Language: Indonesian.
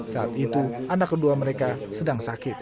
saat itu anak kedua mereka sedang sakit